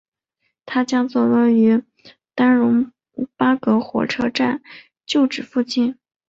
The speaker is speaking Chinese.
它将坐落于丹戎巴葛火车站旧址附近。